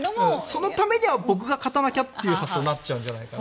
そのためには僕が勝たなきゃという発想になっちゃうんじゃないかな。